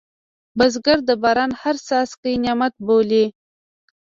بزګر د باران هر څاڅکی نعمت بولي